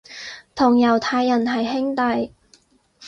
同猶太人係兄弟